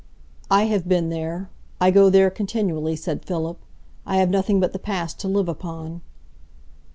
"I have been there, I go there, continually," said Philip. "I have nothing but the past to live upon."